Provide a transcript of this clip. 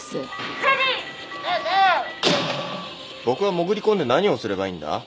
僕は潜り込んで何をすればいいんだ？